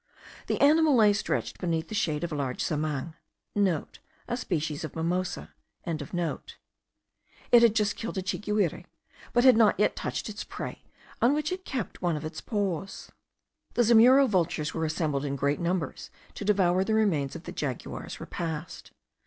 The animal lay stretched beneath the shade of a large zamang.* (* A species of mimosa.) It had just killed a chiguire, but had not yet touched its prey, on which it kept one of its paws. The zamuro vultures were assembled in great numbers to devour the remains of the jaguar's repast.